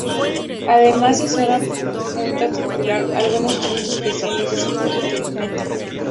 Además, en hora punta circulan algunos trenes especiales ya citados anteriormente.